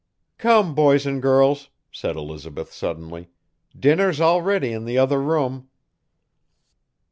'Come boys 'n girls,' said Elizabeth suddenly, 'dinner's all ready in the other room.